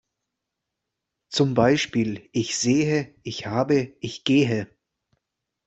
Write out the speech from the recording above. Zum Beispiel: Ich sehe, ich habe, ich gehe.